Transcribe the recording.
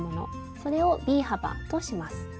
それをＢ幅とします。